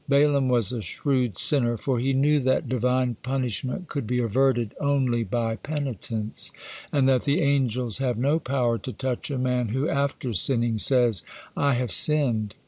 Balaam was a shrewd sinner, for he knew that Divine punishment could be averted only by penitence, and that the angels have no power to touch a man who, after sinning, says, "I have sinned."